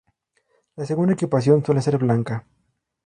La segunda equipación suele ser blanca.